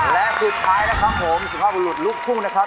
และสุดท้ายนะครับผมสุภาพบุรุษลูกทุ่งนะครับ